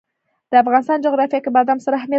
د افغانستان جغرافیه کې بادام ستر اهمیت لري.